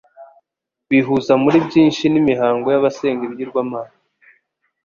Bihuza muri byinshi n'imihango y'abasenga ibigirwamana.